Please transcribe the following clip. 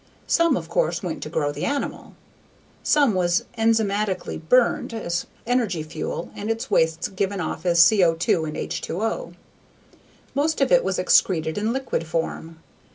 Some, of course, went to grow the animal. Some was enzymatically "burned" as energy fuel and its wastes given off as CO2 and H2O. Most of it was excreted in liquid form.